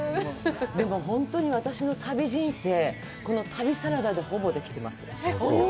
でも、本当に私の旅人生、この旅サラダで、ほぼできてます。